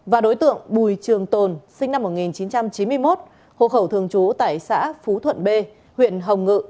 và đối tượng bùi trường tồn sinh năm một nghìn chín trăm chín mươi một hộ khẩu thường trú tại xã phú thuận b huyện hồng ngự